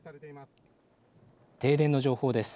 停電の情報です。